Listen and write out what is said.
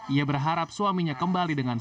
ia berharap suaminya kembali dengan sehat